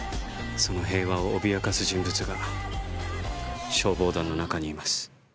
平和を脅かす人物が消防団の中にいます。